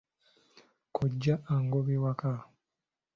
Kkojja angoba ewaka.